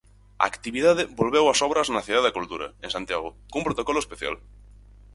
A actividade volveu ás obras na Cidade da Cultura, en Santiago, cun protocolo especial.